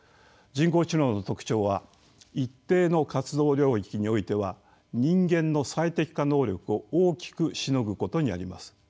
人工知能の特徴は一定の活用領域においては人間の最適化能力を大きくしのぐことにあります。